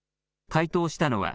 回答したのは、